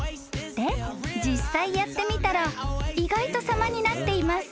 ［で実際やってみたら意外と様になっています］